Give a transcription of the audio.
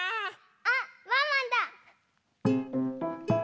あっワンワンだ！